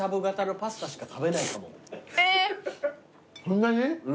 そんなに？